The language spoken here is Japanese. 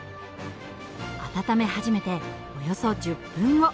温め始めておよそ１０分後。